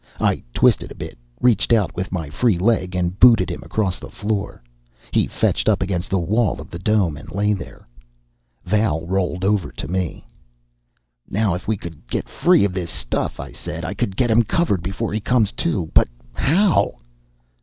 I twisted a bit, reached out with my free leg, and booted him across the floor. He fetched up against the wall of the Dome and lay there. Val rolled over to me. "Now if I could get free of this stuff," I said, "I could get him covered before he comes to. But how?"